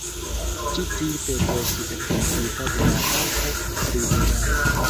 Ĉi tiu peto estis akceptita de la alta tribunalo.